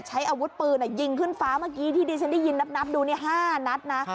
ใช้อาวุธปืนยิงขึ้นฟ้าเมื่อกี้ที่ดิฉันได้ยินนับดูนี่๕นัดนะ